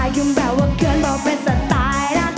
อ่านถึงแบบว่าเกินบอกแบบสไตล์นะ